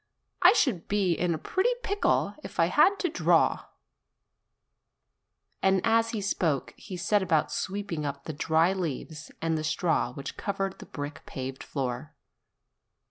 I should be in a pretty pickle if I had to draw !" And as he spoke he set about sweeping up the dry leaves and the straw which covered the brick paved floor.